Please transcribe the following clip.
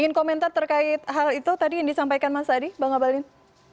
ingin komentar terkait hal itu tadi yang disampaikan mas adi bang abalin